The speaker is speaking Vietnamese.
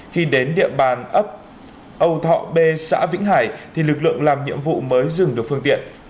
khi đến địa bàn ấp âu thọ b xã vĩnh hải thì lực lượng làm nhiệm vụ mới dừng được phương tiện